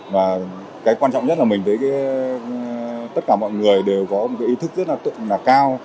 và cái quan trọng nhất là mình thấy tất cả mọi người đều có một cái ý thức rất là cao